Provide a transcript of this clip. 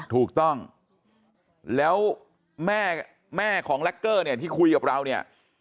ถูกต้องแล้วแม่ของแล็กเกอร์เนี่ยที่คุยกับเราเนี่ย